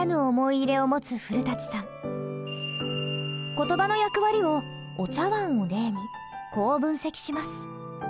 言葉の役割をお茶わんを例にこう分析します。